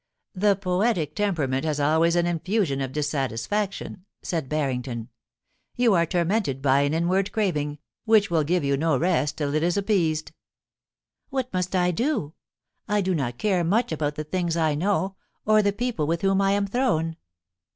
* The poetic temperament has always an infusion of dis satisfaction,' said Barrington. 'You are tormented by an inward craving, which will give you no rest till it is ap peased' * What must I do ? I do not care much about the things I know, or the people with whom I am thrown.